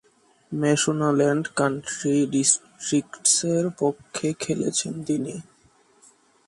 Mashonaland country ডিস্ট্রিক্টসের পক্ষে খেলেছিলেন তিনি।